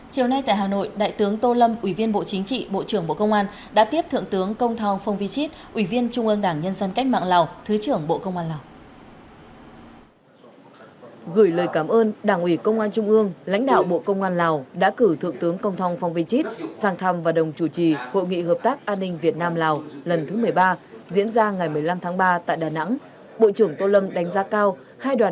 chiều nay tại hà nội đại tướng tô lâm ủy viên bộ chính trị bộ trưởng bộ công an